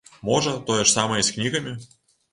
Можа, тое ж самае і з кнігамі?